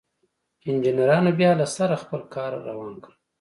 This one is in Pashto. انجنيرانو بيا له سره خپل کار روان کړ.